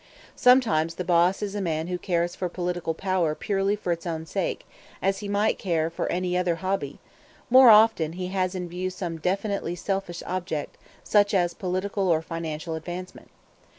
Sometimes the boss is a man who cares for political power purely for its own sake, as he might care for any other hobby; more often he has in view some definitely selfish object such as political or financial advancement.